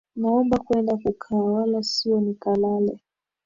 Naomba kwenda kukaa, wala sio nikalale,